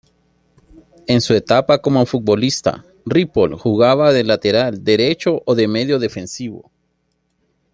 En su etapa como futbolista, Ripoll jugaba de lateral derecho o de medio defensivo.